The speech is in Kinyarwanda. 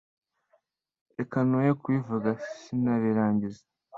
Reka noye kubivuga sinabirangiza